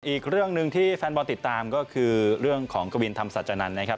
อีกเรื่องหนึ่งที่แฟนบอลติดตามก็คือเรื่องของกวินธรรมสัจจนันทร์นะครับ